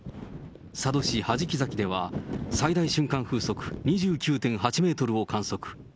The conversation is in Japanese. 佐渡市弾崎では、最大瞬間風速２９．８メートルを観測。